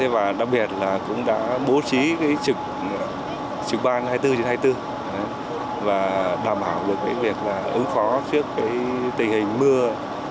và đặc biệt là cũng đã bố trí trực ban hai mươi bốn trên hai mươi bốn và đảm bảo được việc ứng phó trước tình hình mưa